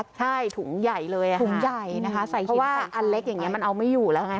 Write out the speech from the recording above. ใช่ถุงใหญ่เลยอ่ะถุงใหญ่นะคะใส่เพราะว่าอันเล็กอย่างนี้มันเอาไม่อยู่แล้วไง